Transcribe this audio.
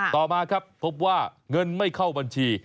ต่อมาครับพบว่าเงินไม่เข้าบัญชี